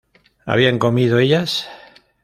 ¿habían comido ellas?